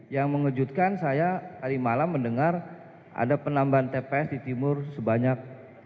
yang mengejutkan saya tadi malam mendengar ada penambahan tps di timur sebanyak